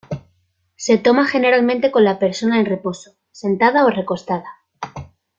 Se toma generalmente con la persona en reposo: sentada, o recostada.